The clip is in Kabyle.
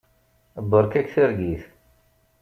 Beṛka-k targit.